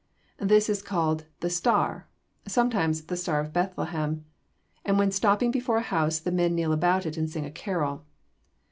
This is called 'the Star,' sometimes 'the Star of Bethlehem,' and when stopping before a house the men kneel about it and sing a carol.